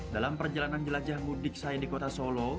dalam perjalanan jelajah mudik saya di kota solo